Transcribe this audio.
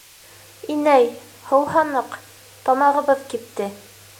— Инәй, һыуһаныҡ, тамағыбыҙ кипте.